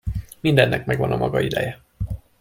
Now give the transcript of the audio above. Mindennek megvan a maga ideje.